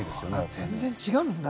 全然違うんですね